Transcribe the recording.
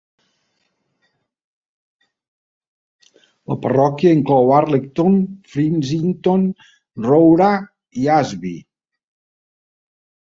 La parròquia inclou Arlecdon, Frizington, Rowrah i Asby.